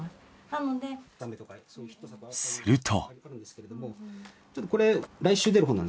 すると。